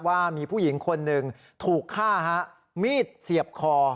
ว่ามีผู้หญิงคนหนึ่งถูกฆ่ามีดเสียบคอ